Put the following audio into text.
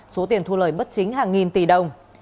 số tiền thu lời bất chính hàng nghìn tỷ đồng